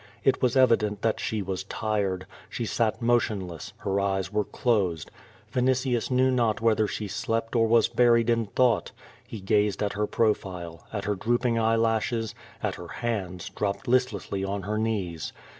It was evident that she was tired. She sat motionless. Her eyes were closed. Vinitius knew not whether she slept or was buried in thought. He gazed at licr profile, at her drooping eyelashes, at her hands, dropped listlessly on her knees.